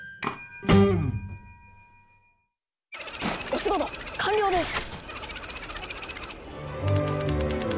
お仕事完了です！